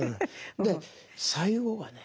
最後はね